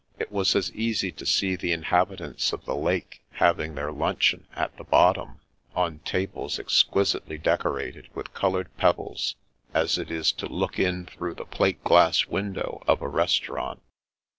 It was as easy to see the inhabitants of the lake having their lunch eon at the bottom, on tables exquisitely decorated with coloured pebbles, as it is to look in through the plate glass window of a restaurant.